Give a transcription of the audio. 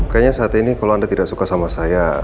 kayaknya saat ini kalau anda tidak suka sama saya